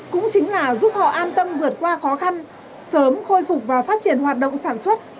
cũng chính là giúp họ an tâm vượt qua khó khăn sớm khôi phục và phát triển hoạt động sản xuất